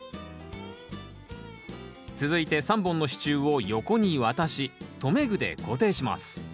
続いて３本の支柱を横に渡し留め具で固定します